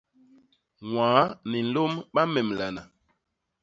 Ñwaa ni nlôm ba memlana.